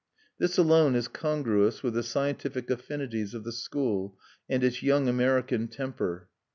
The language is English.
This alone is congruous with the scientific affinities of the school and its young American temper.